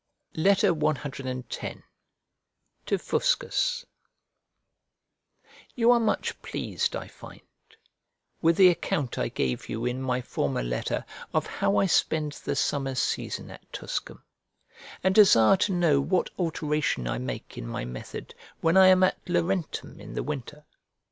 CX To FUSCUS You are much pleased, I find, with the account I gave you in my former letter of how I spend the summer season at Tuscum, and desire to know what alteration I make in my method when I am at Laurentum in the winter.